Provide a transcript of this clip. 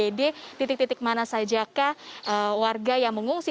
jadi tidak ada titik titik mana saja kah warga yang mengungsi